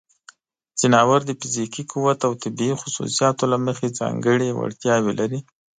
ځناور د فزیکي قوت او طبیعی خصوصیاتو له مخې ځانګړې وړتیاوې لري.